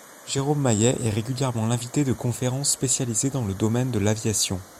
Jérôme Maillet est régulièrement l'invité de conférences spécialisées dans le domaine de l'aviation.